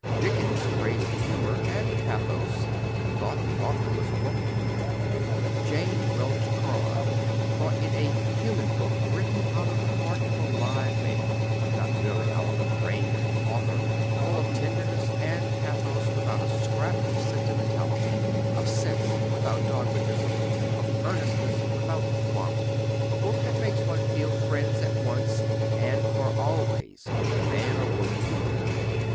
Dickens praised the humor and the pathos, and thought the author was a woman. Jane Welch Carlyle thought it "a human book, written out of the heart of a live man, not merely out of the brain of an author, full of tenderness and pathos, without a scrap of sentimentality, of sense without dogmatism, of earnestness without twaddle a book that makes one feel friends at once and for always with the man or woman who wrote it."